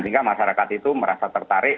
sehingga masyarakat itu merasa tertarik